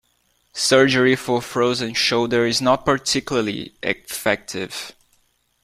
Surgery for frozen shoulder is not particularly effective.